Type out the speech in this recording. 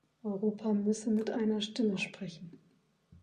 Europa müsse mit einer Stimme sprechen.